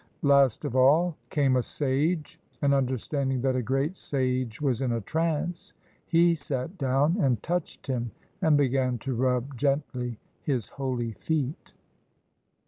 Last of all came a sage, and understanding that a great sage was in a trance, he sat down and touched him and began to rub gently his holy feet.